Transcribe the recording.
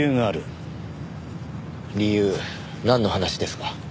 理由なんの話ですか？